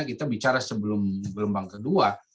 kita bicara sebelum gelombang kedua